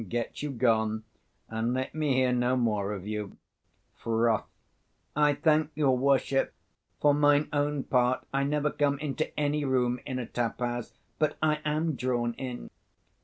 Get you gone, and let me hear no more of you. 195 Froth. I thank your worship. For mine own part, I never come into any room in a taphouse, but I am drawn in.